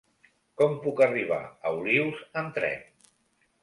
Com puc arribar a Olius amb tren?